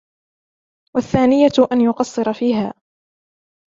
وَالثَّانِيَةُ أَنْ يُقَصِّرَ فِيهَا